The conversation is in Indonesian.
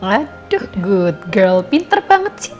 waduh good girl pinter banget sih